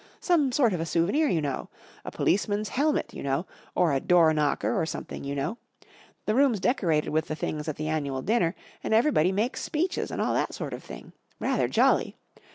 Some sort of a souvenir, you know . A policeman's helmet, you know, or a door knocker or something, you know . The room's decorated with the things at the annual dinner, and everybody makes speeches and all that sort of thing. Rather jolly